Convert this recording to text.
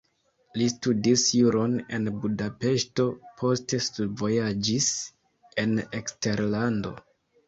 Li studis juron en Budapeŝto, poste studvojaĝis en eksterlando.